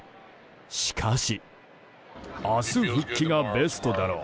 しかし。